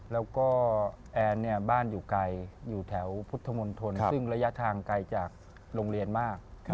แล้วก็แอนบ้านอยู่ไกลอยู่แถวพุทธมนตรซึ่งระยะทางไกลจากโรงเรียนมาก